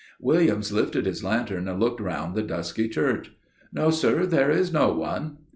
"Williams lifted his lantern and looked round the dusky church. "'No, sir; there is no one.